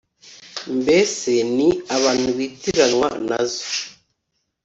mbese ni abantu bitiranwa na zo